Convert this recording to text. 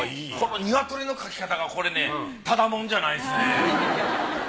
このニワトリの描き方がこれねただもんじゃないですね。